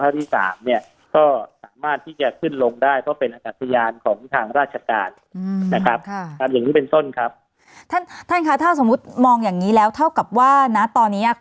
ท่านท่านคะถ้าสมมุติมองอย่างนี้แล้วเท่ากับว่านะตอนนี้